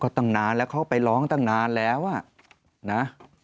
ตั้งนานแล้วเขาไปร้องตั้งนานแล้วอ่ะนะ